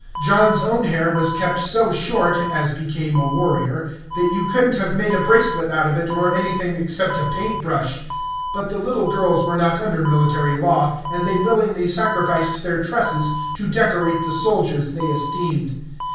John's own hair was kept so short (as became a warrior) that you couldn't have made a bracelet out of it, or anything except a paintbrush; but the little girls were not under military law, and they willingly sacrificed their tresses to decorate the soldiers they esteemed.